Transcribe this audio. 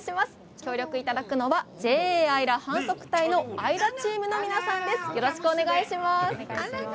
協力いただくのはＪＡあいら販促隊のあいらチームの皆さんです。